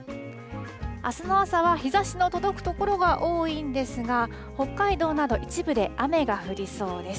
あすの朝は日ざしの届く所が多いんですが、北海道など一部で雨が降りそうです。